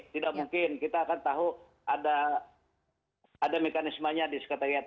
tidak mungkin kita akan tahu ada mekanismenya di sekretariat